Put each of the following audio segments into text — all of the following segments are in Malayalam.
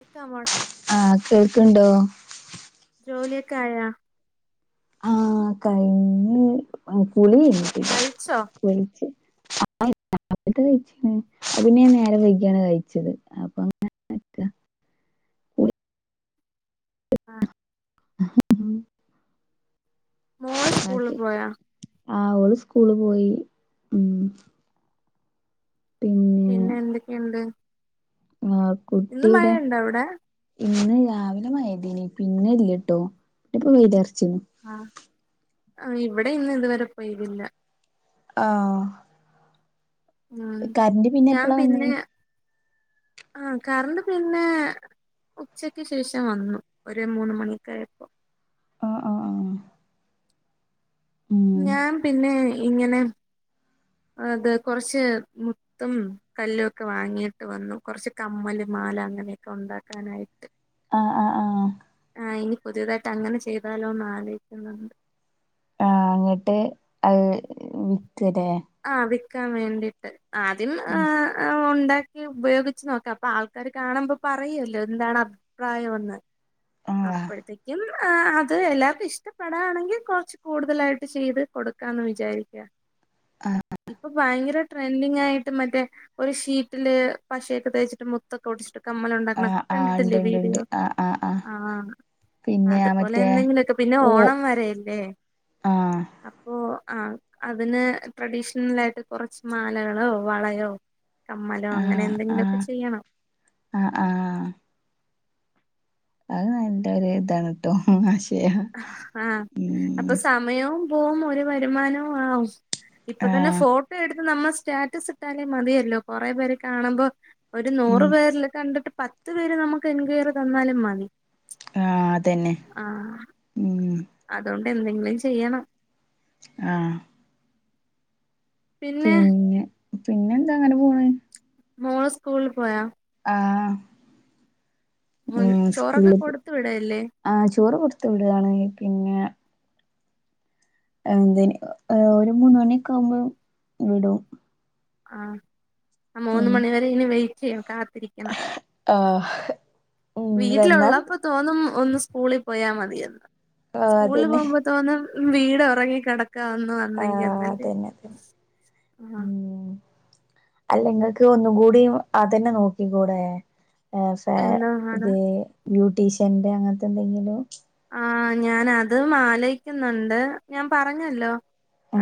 കേക്കാമോ ആ കേൾക്ക്ണ്ടോ? ജോലിയൊക്കെ ആയാ ആഹ കഴിഞ്ഞു കുളി കഴിഞ്ഞിട്ടില്ല കഴിച്ചോ കുളിച്ച്. [unintelligible] അത്തെ ഒകെ കഴിച്ച്ക്ക്ണ് അത് പിന്നെ ഞാൻ നേരം വൈകിയാണ് കഴിച്ചത് അപ്പൊ അങ്ങനെക്ക. [inaudible] ആഹ ആ മോള് സ്കൂളില് പോയാ? ആ ഓള് സ്കൂള് പോയി ഉം. പിന്നെ പിന്നെ എന്തൊക്കെയുണ്ട് ആഹ ഇന്ന് കുട്ടിയെവിടെ? മഴയുണ്ടോ അവിടെ പിന്നെ രാവിലെ മയെയ്ദീനി പിന്നെ ഇല്ലട്ടോ പിന്നൊക്കെ വെയ് ആഹ ഇവിടെ ഇന്ന് ഇതുവരെ പേയ്തില്ല. ആഹ അ ഞാൻ എപ്പളാ വന്നേ? പിന്നെ. ആഹ കറണ്ട് പിന്നെ. ഉച്ചക്ക് ശേഷം വന്നു ഒരു മൂന്ന്മണിയൊക്കായപ്പോ. ആഹ് ആഹ് ആഹ് ഉം ഞാൻ പിന്നെ ഇങ്ങനെ അത് കൊറച്ച് മുത്തും കല്ലുംഒക്കെ വാങ്ങിയിട്ട് വന്നു കുറച്ച് കമ്മല് മാ മാല അങ്ങനെയൊക്കെ ഉണ്ടാക്കാനായിട്ട്. ആഹ ആഹ് ആഹ് ആ ഇനി പുതിയതായിട്ട് അങ്ങനെ ചെയ്താലോന്ന് ആലോചിക്കുന്നുണ്ട്. ആഹ അങ്ങിട്ട് അത് വി ആഹ വിൽക്കാൻ വേണ്ടിയിട്ട് ആദ്യം ഉം ഒണ്ട ഉപയോഗിച്ച് നോക്കാം അപ്പൊ ആൾക്കാര് കാണുമ്പോ പറയല്ലോ എന്താണ് അഭിപ്രായോന്ന്. ആഹ് അപ്പഴത്തേക്കും. ആ അത് എല്ലാർക്കും ഇഷ്ടപ്പെടാണെങ്കിൽ കൊറച്ച് കൂടുതലായിട്ട് ചെയ്ത് കൊടുക്കാന്ന് വിചാരിക്കുക. ഇപ്പൊ ഭയങ്കര. ട്രെൻഡിങ് ആയിട്ട് മറ്റേ ഒരു ഷീറ്റില് പശയൊക്കെ തേച്ചിട്ട് മുത്തൊക്കെ ഒടിച്ചിട്ട്. കമ്മല് ഉണ്ടാക്കണ ആഹ് ആഹ് ഇണ്ട് കണ്ടിട്ടില്ലേ ഇണ്ട് ഇണ്ട് വീഡിയോ. ആഹ് ആഹ് ആഹ് ആഹ പിന്നെ ആ അതുപോലെ മറ്റേ എന്തെങ്കിലുമൊക്കെ പിന്നെ ഓ ഓണം വരെല്ലേ? ആഹ് അപ്പോ ആ അതിന് ട്രഡീഷ്ണൽ ആയിട്ട് കുറച്ച് മാലകളോ വളയോ? കമ്മലോ അങ്ങനെ ആഹ് എന്തെങ്കി ഒക്കെ ആഹ് ചെയ്യണം. ആഹ് ആഹ് അത് നല്ലൊരു ഇതാണ് ട്ടോ. ആശയാ ആഹ ഉം അപ്പൊ സമയവും പോവും ഒരു വരുമാനവും ആവും. ഇപ്പൊ തന്നെ ആഹ് ഫോട്ടോ എടുത്ത് നമ്മൾ സ്റ്റാറ്റസ് ഇട്ടാലേ മതിയല്ലോ കൊറെേ പേര് കാണുമ്പോ. ഒരു ഉം നൂറു പേര്ല് കണ്ടിട്ട് പത്ത് പേര് നമുക്ക് എൻക്വയർ തന്നാലും മതി. ആ അതന്നെ ഉം അതോണ്ട് എന്തെങ്കിലും ചെയ്യണം ആഹ് പിന്നെ പിന്നെ എന്താ അങ്ങനെ പോണ് മോള് സ്കൂളിൽ പോയാ ആഹ ഉം ചോറൊക്കെ സ്കൂള്ക് കൊടുത്തു വിടല്ലേ ആ ചോറ് കൊടുത്തു വിടലാണ് പിന്നെ എന്തേഞ് ഏ ഒരു മൂന്ന്ണിക്കെ ആഉമ്പോം വിടും. ആ അ മൂന്ന് മണി വരെ ഇനി വെയിറ്റെയ്യ്ണം കാ ഇരിക്കണം ആഹ് ഉം വന്നാ വീട്ടിലുള്ളപ്പോ തോന്നും ഒന്ന് സ്കൂളിൽ പോയാ മതിയന്ന്. ആഹ് സ്കൂള് അതന്നെ പോഉമ്പോത്തോന്നും വീട് ഒറങ്ങി കിടക് ക്ക ഒന്നു വന്നങ്കി ആഹ് ന്നല്ലേ അതന്നെ അതന്നെ ആ അല്ലെങ്ങക്ക് ഒന്നും കൂടിയു അതന്നെ നോക്കിക്കൂടെ? ഏ ഫേ എന്താ പാട് ഇത് ബ്യൂട്ടീഷ്യന്റെ അങ്ങത്തെന്തെങ്കിലും ആ ഞാൻ അതും ആലോയിക്കുന്നുണ്ട്. ഞാൻ പറഞ്ഞല്ലോ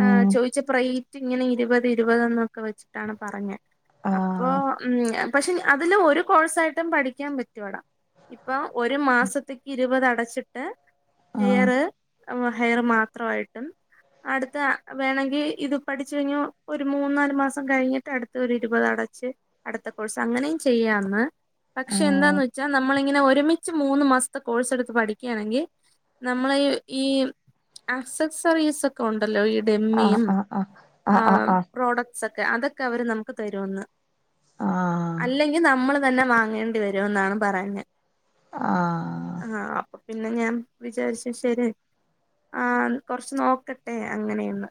ആ ചോയിച്ചപ്പ റേറ്റ് ഇങ്ങനെ ഇരുപത് ഇരുപത് ന്നൊക്കെ വെച്ചിട്ടാണ് പറഞ്ഞെ. അപ്പൊ ആഹ് ഉം അ പക്ഷെ ഞ അതില് ഒരു കോഴ്സായിട്ടും പഠിക്കാൻ പറ്റു എടാ ഇപ്പൊ ഒരു മാസത്ക്ക് ഇരുവത് അടച്ചിട്ട് ആഹ് ഹെയറ് അവ ഹെയറ് മാത്രമായിട്ടും അടുത്ത വേണങ്കി ഇത് പഠിച് ഴിഞ്ഞോ ഒരു മൂന്നാല് മാസം കഴിഞ്ഞിട്ട് അടുത്ത ഒരു ഇരുപതടെ എച്ച് അടുത്ത കോഴ്സ് അങ്ങനെയും ചെയ്യാന്ന് പക്ഷെ എന്താന്ന് വെച്ചാ നമ്മളിങ്ങനെ ഒരുമിച്ച് മൂന്ന് മാസത്തെ കോഴ്സ് എടുത്ത് പഠി ക്യാണെങ്കി നമ്മളയ് ഈ ആക്സസ് സർവീസ് ഒക്കെ ഉൺ ട്ടല്ലോ ഈ ആഹ് ആഹ് ആഹ് ആഹ് ഡമ്മിയുംആ ആഹ് ആഹ് ആഹ് ആഹ് പ്രോഡക്ട്സെക് ക്കെ അതൊക്കെ അവര് നമുക്ക് തരോന്ന് അല്ലെങ്കിൽ നമ്മള് തന്നെ വാങ്ങേണ്ടി വരോന്നാണ് പറഞ്ഞ ആ പിന്നെ ഞാൻ വിചാരിച് ശരി. ആ കൊറച്ച് നോക്കട്ടെ അങ്ങനെയന്ന്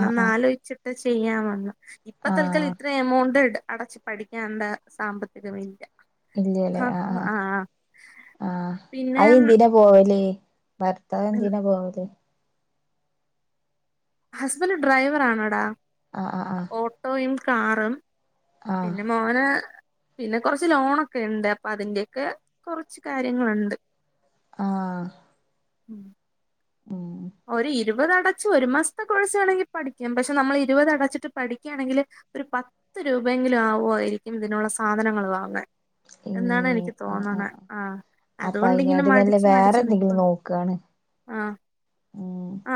ആഹ് ആഹ് ആഹ് ആലോയ്ച്ചിട്ട് ചെയ്യാമെന്ന്. ഇപ്പ തൽക്കൽ ആഹ് ഇത്ര എമൗണ്ട് ട അടച്ചു പഠിക്കേണ്ട സാമ്പത്തികമില്ല ഇല്ലല്ലേ ആഹ് ആ പിന്നെ ആഅയ് എന്തിനാ പോവല്? ഭർത്താവ് എന്തിനാ പോവല്? ഹസ്ബൻഡ് ഡ്രൈവറാണടാ. ആഹ് ആഹ് ആഹ് ഓട്ടോയും കാറും ആഹ് പിന്നെ മോന് പിന്നെ കൊറച്ച് ലോണൊക്കെണ്ട്. അപ്പൊ അതിന്റെക്കെ കൊർച്ച് കാര്യങ്ങളുണ്ട് ആഹ് ഉം ഉം ഒരു ഇരുപത അടചൂ. ഒരു മാസത്തെ കോഴ്സാണെങ്കി പഠിക്കാം പക്ഷെ നമ്മള് ഇരുപത് അടച്ചിട്ട് പഠിക്ക്യാണെങ്കില് ഒരു പത്ത് രൂപയെങ്കിലും ആവോയിരിക്കും ഇതിനുള്ള സാധനങ്ങൾ വാങ്ങൻ ഇമ്മേ എന്നാണ്നിക്ക് ആഹ് തോന്നണ. ആഹ് ആ അപ്പൊ അതുകൊണ്ടിങ്ങനെ അയിനാട്ടി നല്ലെ മടിച്ച് വേറെ മടിച്ച് നിക്ക എന്തെങ്കിലും നോക്കാണ് ആ ഉം ആ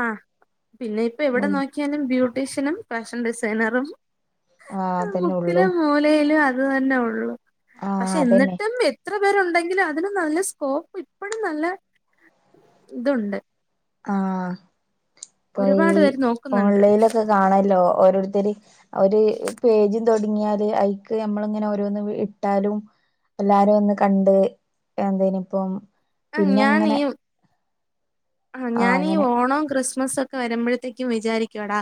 പിന്നെ ഇപ്പൊ എവിടെ നോക്കിയാലും ബ്യൂട്ടീഷ്യനും ഫാഷൻ ഡിസൈനറും ആഹ് അതന്നെ ഉള്ളൂ മുക്കിലും മൂലയിലും അത് ത് തന്നെ ഉള്ളൂ. ആഹ് പക്ഷെ അതന്നെ എന്നിട്ടും എത്ര പേരുണ്ടെങ്കിലു അതിന് നല്ല സ്കോപ്പ് ഇപ്പഴും നല്ല ഇതുണ്ട്. ആഹ് ഇപ്പൊ ഈ ഒരുപാട് പേര് നോക്കുന്നുണ്ട് ഓൺലൈലൊക്കെ കാണല്ലോ ഓരോരുത്തര് അ ഒര് പേജും തുടങ്ങിയാല് ഐക്ക് നമ്മളിങ്ങനെ ഓരോന്ന് വ് ഇട്ടാലും എല്ലാരും ഒന്ന് കണ്ട് എന്തേനിപ്പം ആ പിന്നെ ഞാൻ ഈ അങ്ങനെ വ് ആ ആഹ് ഞാനീഈ അങ്ങനെ ഓണം ക്രിസ്മസ് ഒക്കെ വരുമ്പോഴത്തേക്കും വിചാരിക്കുടാ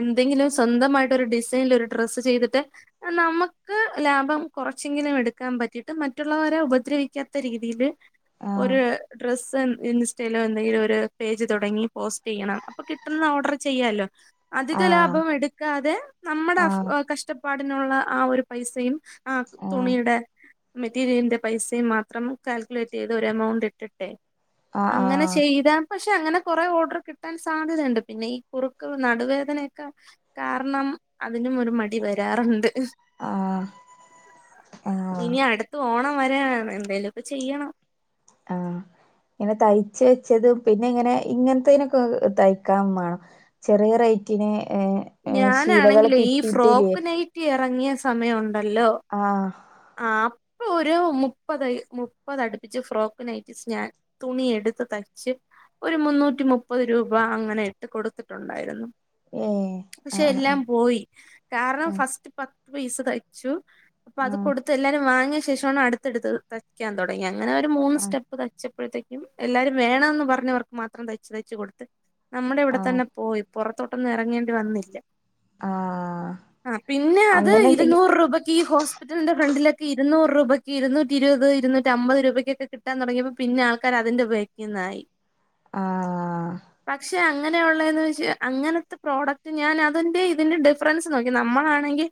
എന്തെങ്കിലും സ്വന്തമായിട്ട് ഒരു ഡിസൈനൽ ഒരു ഡ്രസ്സ് ചെയ്തിട്ട് [unintelligible] നമുക്ക് ലാഭം കുറച്ചെങ്കിലും എടുക്കാൻ പറ്റിയിട്ട് മറ്റുള്ളവരെ ഉപദ്രവിക്കാത്ത രീതിയിയില് ആഹ് ഒരു ഡ്രെസ്സ് ഇൻസ്റ്റൈല് [unintelligible] കയ്യിലൊരു പേജ് തുടങ്ങി പോസ്റ്റ്യ്യണം. അപ്പൊ കിട്ടുന്ന ഓർഡർ ചെയ്യാലോ? അധിക ആഹ് ലാഭം എടുക്കാതെ നമ്മുടെ അഷ് ആഹ് ഒ കഷ്ടപ്പാടിനുള്ള ആ ഒരു പൈസയും. ആഹ് തുണിയുടെ. മെറ്റീരിയലിന്റെ പൈസയും മാത്രം കാൽക്കുലേറ്റ് യ്ത് ഒരു എമൗണ്ട് ഇട്ട് ട്ടെ. ആഹ ആഹ ഇടപക്ഷെ അങ്ങനെ കൊറേ ഓർഡർ കിട്ടാൻ സാധ്യതയുണ്ട് പിന്നെ ഈ കുറുക്ക് നടുവേദനൊക്കെ [unintelligible] കാരണം അതിനും ഒരു മടി വരാറുണ്ട് ആഹ് ആഹ് [unintelligible] ആഹ് ഇനി അടുത്ത് ഓണം വരാനാണ് എന്തായെലും ഒക്കെ ചെയ്യണം ആഹ ഇങ്ങനെ തയ്ച്ച് വെച്ചതും പിന്നെ ഇങ്ങനെ ഇങ്ങനത്തെതിനൊക്കെ തയ്ക്കാൻ വേണം [unintelligible] [unintelligible] ഏഹ് ശീലകൾ ഞാനാണെങ്കിലേ ഈ കിട്ടിയിട്ടില്ലേ ഫ്രോക്ക് നൈറ്റി ഇറങ്ങിയ സമയംഉണ്ട ഉണ്ടല്ലോ ആഹ് ആ ഇപ്പോ ഒരു മുപ്പത് മുപ്പത് അടുപ്പിച്ച് ഫ്രോക്കിനായിട്ട്സ്സ് ഞാൻ തുണി എടുത്ത് തയ്ച്ച് ഒരു മുന്നൂറ്റി മുപ്പത് രൂപ അങ്ങനെ ഇട്ട് കൊടുത്തിട്ടുണ്ടായിരുന്നു ഏഹ് പക്ഷെ ആഹ് ആഹ് എല്ലാം പോയി കാരണം ആഹ് ഉം ഫസ്റ്റ് പത്ത് പീസ് തയ്ച്ചു അപ്പൊ അത് ആഹ് കൊടുത്ത് എല്ലാരും വാങ്ങിയ ശേഷമാണ് അടുത്ത്ടുത്ത് തയ്ക്കാൻ തുടങ്ങി ഞാൻ അങ്ങനെ ഒരു മൂന്ന് ആഹ് സ്റ്റെപ്പ് തയ്ച്ചപ്പോഴത്തേക്കും എല്ലാരും വേണംന്ന് പറഞ്ഞവർക്ക് മാത്രം തയ്ച്ചു തയ്ച്ച് കൊടുത്ത് നമ്മുടെ ഇവിടെ ആഹ് തന്നെ പോയി പൊറത്തോട്ടൊന്നും ഇറങ്ങേണ്ടി വന്നില്ല ആഹ് ആ പിന്നെ അത് അങ്ങനെ എന്തെങ്കി ഇരുന്നൂറ് രൂപക്ക് ഈ ഹോസ്പിറ്റലിന്റെ ഫ്രണ്ടില് ഇരുന്നൂറ് രൂപയ്ക്ക് ഇരുന്നൂറ്റി ഇരുപത് ഇരുന്നൂറ്റി അമ്പത് രൂപയ്ക്കൊക്കെ കിട്ടാ തുടിയപ്പോ പിന്നെ ആൾക്കാര് അതിന്റെ പേക്ന്നായി ആഹ പക്ഷെ അങ്ങനെയുള്ളതന്ന് വെച്ചാൽ അങ്ങനത്തെ പ്രോഡക്റ്റ് ഞാൻ അതിന്റെ ഇതിന്റെ ഡിഫറൻസ് നോക്കി നമ്മളാണെങ്കിൽ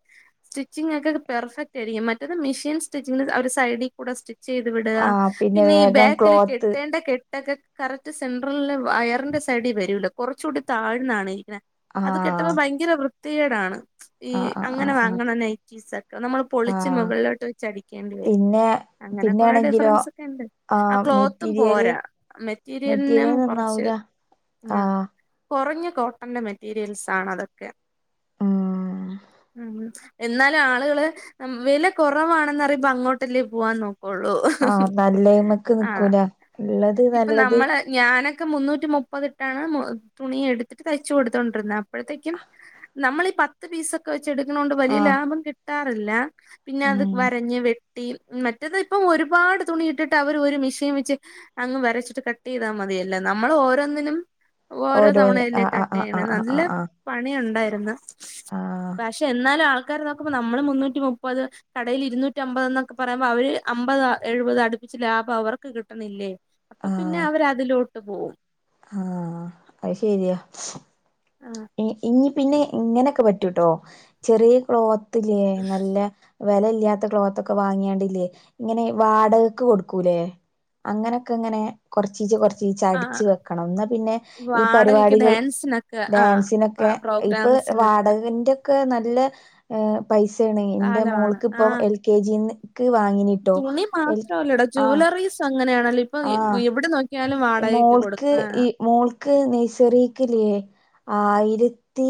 സ്റ്റിച്ചിങ് ഒക്കെ പെർഫെക്റ്റ് ആയിരിക്കും മറ്റൊ മെഷീൻ സ്റ്റിച്ചി ഒരു സൈഡിൽ കൂടെ [unintelligible] ചെയ്ത് വിടുക ആഹ് പിന്നെ ഈ വേഗം ബാക്കിൽ ക്ലോത്ത് കെട്ടേണ്ടെ [unintelligible] [unintelligible] കറക്റ്റ് സെൻടറലിലെ വയറിന്റെ സൈഡിൽവരൂല്ല കുറച്ച് കൂടി താഴ്ന്നാണ് ഇരിക്ക്ണത് അത് ആഹ് കെട്ടുമ്പോൾ ഭയങ്കര വൃത്തികെടാണ് ഈ ആഹ് ആഹ് അങ്ങനെ ആഹ് ആഹ് വാങ്ങണ നൈറ്റീസ് ഒക്കെ നമ്മള് പൊളിച്ച് ആഹ് മുകളിലോട്ട് വെച്ച്ടിക്കേണ്ടി വരും പിന്നെ അങ്ങനെ പിന്നെ കൊറെേ ആണെങ്കിലോ ഡിഫറൻസ് ഒക്കെ ഉണ്ട് ആ ആഹ് ക്ലോത്തും മെറ്റീരിയല് പോരാ മെറ്റീരിയലിനും മെറ്റീരിയൽ കുറച്ച് നന്നാവൂല ആ ആഹ് കൊറഞ്ഞ കോട്ടന്റെ മെറ്റീരിയൽസ് ആണ് അതൊക്കെ ഉം ഉം എന്നാലും ആളുകള് വില കുറവാണെന്ന്റിയുമ്പോ അങ്ങോട്ടല്ലേ പോവാൻ നോക്കു ഉള്ളു ആഹ് നല്ലേയ്മക്ക് ആ നിക്കൂല ഇള്ളത് ഇപ്പൊ നല്ലത് നമ്മളെ [unintelligible] ക്കെ മുന്നൂറ്റി മുപ്പത്ത്ട്ടാണ് ഉം തുണി എടുത്തിട്ട് തയ്യ്ച്ച് [unintelligible] [unintelligible] തോട്ടരുന്നെ അപ്പോഴത്തേക്കും നമ്മൾ ഈ പത്ത് പീസൊക്കെ വെച്ച് എടുക്കുന്നത് കൊണ്ട് വലിയ ആഹ് ലാഭം [unintelligible] കിട്ടാറില്ല പിന്നെ അത് ഉം വരഞ്ഞ് [unintelligible] [unintelligible] മറ്റത് ഇപ്പം ഒരുപാട് തുണി ഇട്ടിട്ട് അവര് ഒരു മിഷീൻ വെച്ച് അങ്ങ് വരച്ചിട്ട് കട്ട് ചെയ്താൽ മതി അതല്ലേ നമ്മൾ ഓരോന്നിനും ഓരോ ഓരോന്ന് തവണയലേ ആഹ് കട്ട് ആഹ് [unintelligible] ആഹ് നല്ല ആഹ് ആഹ് പണി ഉണ്ടായിരുന്നു ആഹ് പക്ഷെ എന്നാലും [unintelligible] [unintelligible] നമ്മൾ മുനൂറ്റി മുപ്പത്ത് കടയിൽ ഇരുന്നൂറ്റി അമ്പത് എന്നൊക്കെ പറയുമ്പോ അവര് അമ്പത എഴുപത് [unintelligible] കുറച്ച് ലാഭം അവർക്ക് കിട്ടണില്ലേ അപ്പൊ പിന്നെ അവരതിലോട്ട് പോകും ആഹ അത് ശരിയാ ഇ ഇനി പിന്നെ ഇങ്ങനെയൊക്കെ പറ്റൂട്ടോ ചെറിയ ക്ലോത്തിലേ നല്ല വെല ഇല്ലാത്ത ക്ലോത്ത് ഒക്കെ വാങ്ങിയാണ്ടില്ലേ ഇങ്ങനെ വാടകക്ക് കൊടുക്കൂലേ അങ്ങനെയൊക്കെ ഇങ്ങനെ കൊറച്ചീച്ച [unintelligible] ആ ച്ചടിച്ചു വെക്കണം എന്നാ പിന്നെ ഈ വാടകക്ക് പരിപാടികൾ ഡാൻസിനൊക്കെ ആ ഡാൻസിനൊക്കെ ഇപ്പൊ പ്രോഗ്രാംസിനൊക്കെ വാടകന്റെ ഒക്കെ നല്ല പൈസയാണ് ഇന്റെ കാലമാണ് മോൾക്ക് ആ ഇപ്പ എൽ കെ ജിന്ന് തുണി മാത്രമല്ലടാ ആഹ് ജ്വലറീസ് അങ്ങനെയാണല്ലോ ഇപ്പൊ ആഹ് എവിടെ നോക്കി മോൾക്ക് ഈ മോൾക്ക് നേസറീക്കില്ലേ ആയിരത്തി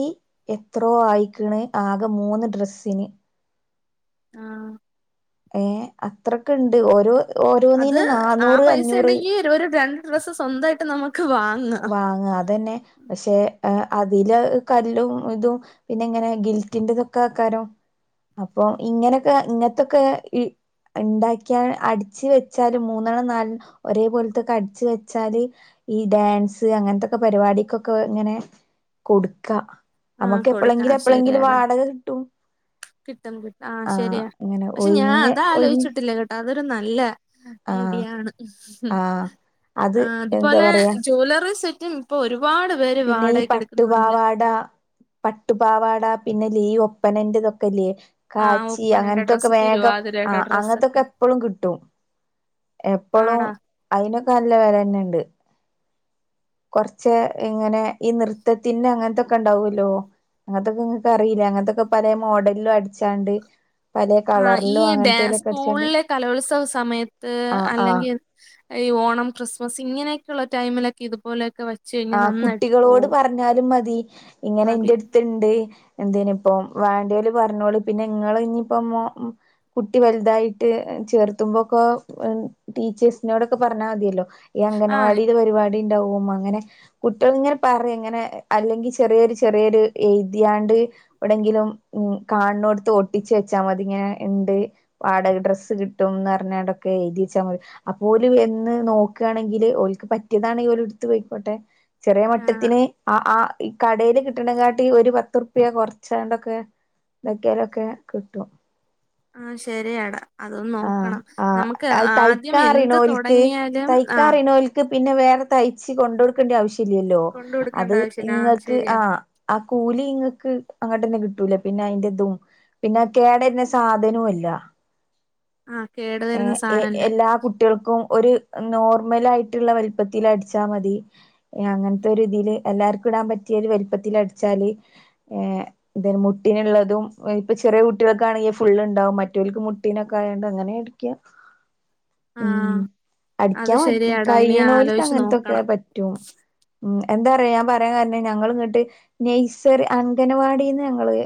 എത്രോ ആയിക്കണ് ആകെ മൂന്ന് ഡ്രസ്സിന് ആ ഏ അത്രൊക്കെ ഉണ്ട് ഓരോ അത് ഓരോന്നിന് ആ നാന്നൂറ് പൈസ അഞ്ഞൂറ് ഉണ്ടെങ്കിൽ ഒരു രണ്ട് ഡ്രസ്സ് സ്വന്തമായിട്ട് നമുക്ക് വാങ്ങാം വാങ്ങ അതന്നെ പക്ഷെ ഏ അതില് കല്ലും ഇതും പിന്നെ ഇങ്ങനെ ഗിൽറ്റിന്റെതൊക്കെ ആക്കാരം അപ്പൊ ഇങ്ങനെയൊക്കെ ഇങ്ങനത്തൊക്കെ ഈ ണ്ടാക്കിയാ അടിച്ച് വെച്ചാല് മൂന്നെണ്ണം നാലെ ഒരേ പോലത്തൊക്കെ അടിച്ച് വെച്ചാല് ഈ ഡാൻസ് അങ്ങനത്തൊക്കെ പരിപാടിക്കൊക്കെ ഇങ്ങനെ കൊടുക്കാ ആ നമ്മുക്ക് കൊടുക്കാം എപ്പളെങ്കിലും എപ്പളെങ്കിലും ശരിയടാ വാടക കിട്ടും കിട്ടും കി ആഹ ആഹ് ശരിയാ അങ്ങനെ പക്ഷെ ഞാൻ ഒഴിഞ്ഞ് അത ഒഴിഞ്ഞ് ആലോചിച്ചിട്ടില്ല കേട്ടാ അതൊരു നല്ല ആഹ് ഐഡിയാണ് ആഹ് അത് എന്താ അതുപോലെ പറയാ ജൂലറി സെ റ്റിങ് ഇപ്പോ ഒരു പിന്നെ ഈ പട്ടുവാവാട പട്ടുപാവാട പിന്നെ ല്ലേ ഈ ഒപ്പനന്റെതൊക്കെല്ലേ ആഹ് കാച്ചി ഒപ്പനയുടെ അങ്ങനത്തൊക്കെ ഡ്രസ്സ് വേഗം ആ തിരുവാതിരയുടെ അങ്ങനത്തൊക്കെ ഡ്രസ്സൊക്കെ എപ്പോളും കിട്ടും എപ്പൊളും ആടാ അയിനൊക്കെ നല്ല വെല തന്നെ ഉണ്ട് കുറച്ച് ഇങ്ങനെ ഈ നൃത്തത്തിന് അങ്ങനത്തൊക്കെ ഉണ്ടാവല്ലോ അങ്ങനത്തൊക്കെ നിങ്ങക്ക് അറിയില്ല അങ്ങനത്തൊക്കെ പലെ മോഡലിലും അടിച്ചാണ്ട് പലേ ആ ഈ കളറിലും ഡേ അങ്ങനത്തേലൊക്കെ അടിച്ചാണ്ട് സ്കൂളിലെ കലോത്സവ സമയത്ത് ആഹ് ആഹ് അല്ലെങ്കിൽ ഈ ഓണം ക്രിസ്മസ് ഇങ്ങനെയൊക്കെയുള്ള ടൈമിലൊക്കെ ഇതുപോലൊക്കെ വ ആ കുട്ടികളോട് പറഞ്ഞാലും മതി ഇങ്ങനെ മതി എന്റെ അടുത്ത്ണ്ട് എന്ത്‌ ഇനിപ്പ വേണ്ടല് പറഞ്ഞോള് പിന്നെ ഇങ്ങള് ഇനിയിപ്പോ കുട്ടി വലുതായിട്ട് ചേർത്തുമ്പോക്കെ ടീച്ചേഴ്സിനോടൊക്കെ പറഞ്ഞാൽ മതിയല്ലോ ഈ ആഹ് അംഗനവാടിൽ പരിപാടി ഉണ്ടാവും അങ്ങനെ കുട്ടികൾ ഇങ്ങനെ പറയും ഇങ്ങനെ അല്ലെങ്കിൽ ചെറിയൊരു ചെറിയൊരു എഴുതിയാണ്ട് എവിടെങ്കിലും ഉം കാണോടുത്ത് ഒട്ടിച്ച് വെച്ചാൽ മതിങ്ങനെ ഉണ്ട് വാടക ഡ്രസ്സ് കിട്ടുംന്ന് പറഞണ്ട് ക്കെ എഴുതി വെച്ചാ മതി അപ്പോല് വന്ന് നോക്കുകയാണെങ്കിൽ ഓല്ക്ക് പറ്റിയതാണങ്കിൽ ഓല് എടുത്ത് പോയിക്കോട്ടെ ചെറിയ ആഹ് മട്ടത്തിന് ആ ആ ഈ കടയില് കിട്ടണ കാട്ടി ഒരു പത്ത് റുപ്യ കൊറച്ചാണ്ടൊക്കെ ഇതാക്കിയാലൊക്കെ കിട്ടും ആ ശരിയടാ അതൊന്ന് ആഹ് നോക്കണം ആഹ് നമുക്ക് ആദ്യം എന്ത് തുടങ്ങിയാലും ഇക്ക ആഹ് പറയുന്നേ ഓൽക്ക് പിന്നെ വേറെ തയ്ച്ച് കൊണ്ട്കൊടുക്കേണ്ടി ആവശ്യ ല്ലല്ലോ കൊണ്ട് കൊടുക്കേണ്ട അത് ആവശ്യല്ല ആ ഇങ്ങൾക്ക് ശരിയാ ആ ആ കൂലി ഇങ്ങൾക്ക് അങ്ങോട്ടന്നെ കിട്ടൂലേ പിന്നെ അയിന്റെ ഇതും പിന്നെ കേടര്ന്ന സാധനവും അല്ല ആ കേടു വരുന്ന ഏർ എ സാനല്ല എല്ലാ കുട്ടികൾക്കും ഒരു നോർമൽ ആയിട്ടുള്ള വലുപ്പത്തിൽ അടിച്ചാൽ മതി അങ്ങനത്തെ ഒരു ഇതില് എല്ലാർക്കും ഇടാൻ പറ്റിയ ഒരു വലിപ്പത്തിൽ അടിച്ചാല് ഏ മുട്ടിനുള്ളതും ഇപ്പൊ ചെറിയ കുട്ടികൾക്കാണെങ്കിൽ ഫുള്ള് ഉണ്ടാവും മറ്റവർക്ക് മുട്ടീനൊക്കെ ആയണ്ട് അങ്ങനെ അടിക്ക [inaudible] ഉം അത് അടിക്കാൻ പറ്റും ശരിയാടാ ഇനി കയ്യ്ണോലിക്ക് ആലോചിച്ചു അങ്ങനത്തൊക്കെ നോക്കണം പറ്റും ഉം എന്താ പറയാ ഞാൻ പറയാൻ കാരണം ഞങ്ങൾ ഇങ്ങോട്ട് നെയ്സറി അംഗനവാടിന്ന് ഞങ്ങള്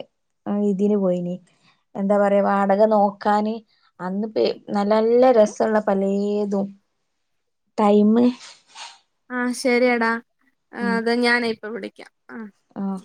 ആ ഇതിന് പോയിനി എന്താ പറയാ വാടക നോക്കാന് അന്ന്പ്പാ നല്ല നല്ല രസുള്ള പലേതും [inaudible] ടൈമ് ആഹ ശരിയടാ ഉം അത് ഞാനെ ഇപ്പൊ വിളിക്കാം ആ ആഹ്